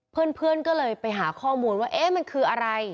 เพื่อนก็เลยไปหาข้อมูลว่าเอ๊ะมันคืออะไร